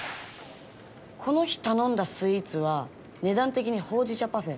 この日頼んだスイーツは値段的にほうじ茶パフェ。